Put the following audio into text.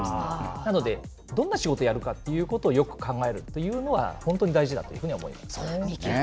なので、どんな仕事やるかっていうことをよく考えるっていうのは、本当に大事だというふうに思います。